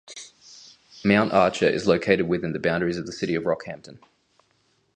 Mount Archer is located within the boundaries of the city of Rockhampton.